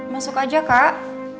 masuk aja kak